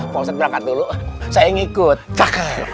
pak ustadz berangkat dulu saya yang ngikut cakap